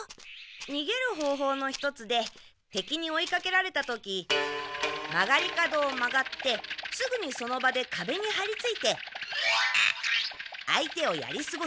逃げる方法の一つで敵に追いかけられた時曲がり角を曲がってすぐにその場で壁にはりついて相手をやりすごす。